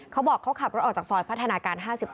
เขาบอกเขาขับรถออกจากซอยพัฒนาการ๕๘